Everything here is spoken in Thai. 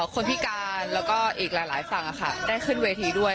คนพิการแล้วก็อีกหลายฝั่งได้ขึ้นเวทีด้วย